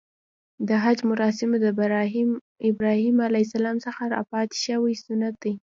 د حج مراسم د ابراهیم ع څخه راپاتې شوی سنت دی .